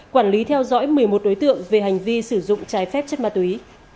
quản lý theo dõi một mươi một đối tượng về hành vi sử dụng trái phép chất ma túy